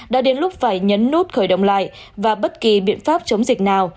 đã đến lúc phải nhấn nút khởi động lại và bất kỳ biện pháp chống dịch nào